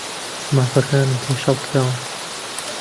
مافەکانم پێشێل کراون.